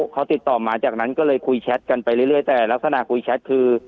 เขาติดต่อมาจากนั้นก็เลยคุยแชทกันไปเรื่อยแต่ลักษณะคุยแชทคือ